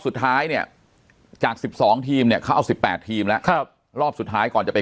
สุดท้ายเนี่ยจาก๑๒ทีมเขาซิบแปดทีมละครับรอบสุดท้ายก่อนจะไป